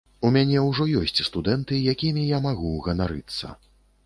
У мяне ўжо ёсць студэнты, якімі я магу ганарыцца.